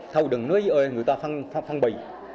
thâu đừng nói với người ta phân bì